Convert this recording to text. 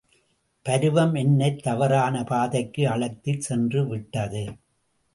பருவம் என்னைத் தவறான பாதைக்கு அழைத்துச் சென்றுவிட்டது.